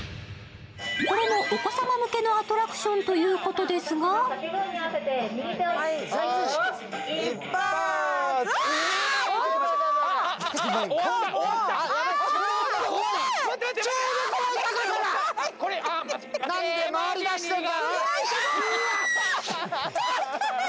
これもお子さま向けのアトラクションということですがなんで回り出したか。